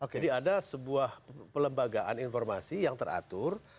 jadi ada sebuah pelembagaan informasi yang teratur